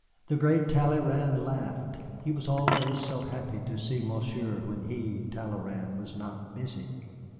The great Talleyrand laughed. He was always so happy to see Monsieur when he (Talleyrand) was not busy.